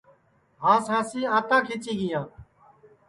ہانٚس ہانٚسی آنٚتاں کھِچی گئِییاں